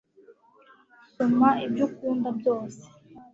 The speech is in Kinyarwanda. soma ibyo ukunda byose